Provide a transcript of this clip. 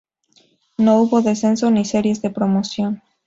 No hubo descenso ni series de promoción.